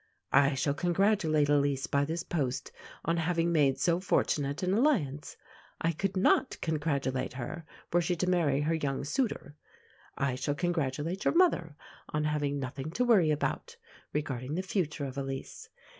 I shall congratulate Elise by this post on having made so fortunate an alliance. I could not congratulate her were she to marry her young suitor. I shall congratulate your mother on having nothing to worry about, regarding the future of Elise.